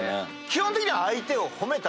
基本的には。